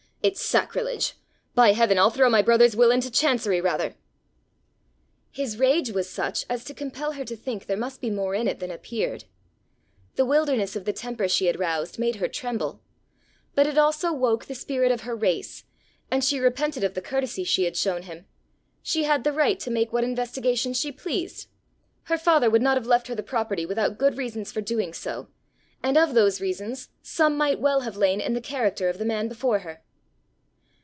It's sacrilege! By heaven, I'll throw my brother's will into chancery rather!" His rage was such as to compel her to think there must be more in it than appeared. The wilderness of the temper she had roused made her tremble, but it also woke the spirit of her race, and she repented of the courtesy she had shown him: she had the right to make what investigations she pleased! Her father would not have left her the property without good reasons for doing so; and of those reasons some might well have lain in the character of the man before her!